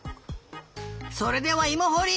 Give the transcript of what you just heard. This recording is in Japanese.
それではいもほり！